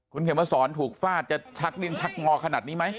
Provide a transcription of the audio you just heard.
คุณเขียนมาสอนถูกฟาดจะชักดิ้นชักงอขนาดนี้ไหม